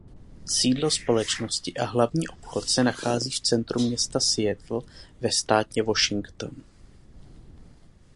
Sídlo společnosti a hlavní obchod se nachází v centru města Seattle ve státě Washington.